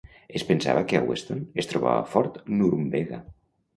Es pensava que a Weston es trobava Fort Norumbega?